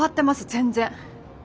全然。